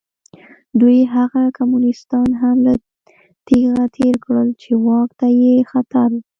دوی هغه کمونېستان هم له تېغه تېر کړل چې واک ته یې خطر و.